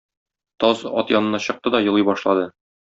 Таз ат янына чыкты да елый башлады.